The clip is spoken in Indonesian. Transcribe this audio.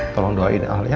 tolong doain allah ya